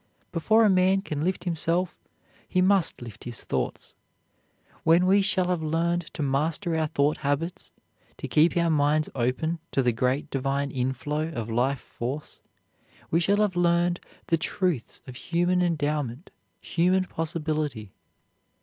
Before a man can lift himself he must lift his thoughts. When we shall have learned to master our thought habits, to keep our minds open to the great divine inflow of life force, we shall have learned the truths of human endowment, human possibility.